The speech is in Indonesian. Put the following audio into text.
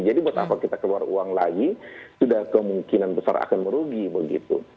jadi buat apa kita keluar uang lagi sudah kemungkinan besar akan merugi begitu